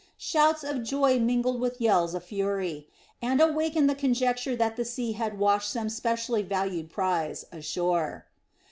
Shouts of joy mingled with yells of fury; and awakened the conjecture that the sea had washed some specially valuable prize ashore.